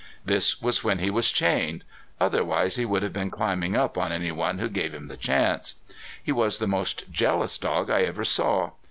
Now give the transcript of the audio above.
This was when he was chained otherwise he would have been climbing up on anyone who gave him the chance. He was the most jealous dog I ever saw.